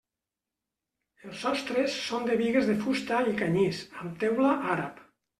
Els sostres són de bigues de fusta i canyís amb teula àrab.